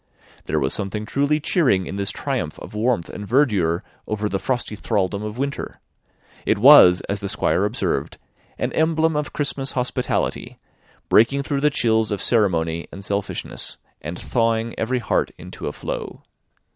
There was something truly cheering in this triumph of warmth and verdure over the frosty thraldom of winter; it was, as the Squire observed, an emblem of Christmas hospitality, breaking through the chills of ceremony and selfishness, and thawing every heart into a flow.